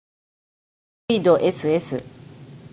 ｊ ど ｓｓ